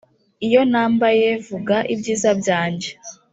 iyo nambaye, vuga, ibyiza byanjye